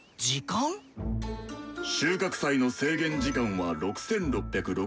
収穫祭の制限時間は６６６６分。